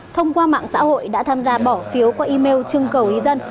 thông qua mạng xã hội đã tham gia bỏ phiếu qua email trưng cầu ý dân